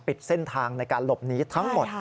ปิดเส้นทางในการหลบหนีทั้งหมด